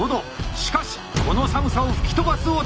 しかしこの寒さを吹き飛ばす男の登場。